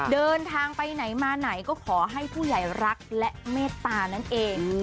เดินทางไปไหนมาไหนก็ขอให้ผู้ใหญ่รักและเมตตานั่นเอง